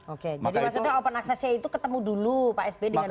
oke jadi maksudnya open accessnya itu ketemu dulu pak sp dengan om mega